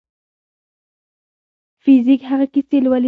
فزیک هغه کیسې لولي.